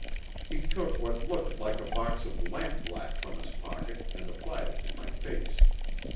He took what looked like a box of lampblack from his pocket and applied it to my face.